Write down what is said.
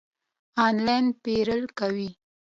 آنلاین پیرل کوئ؟